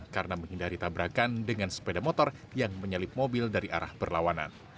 karena menghindari tabrakan dengan sepeda motor yang menyalip mobil dari arah berlawanan